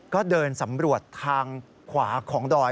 ก็เดินสำรวจทางขวาของดอย